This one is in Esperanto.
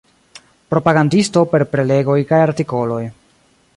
Propagandisto per prelegoj kaj artikoloj.